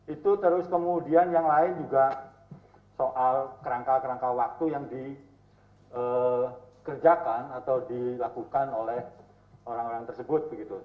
itu terus kemudian yang lain juga soal kerangka kerangka waktu yang dikerjakan atau dilakukan oleh orang orang tersebut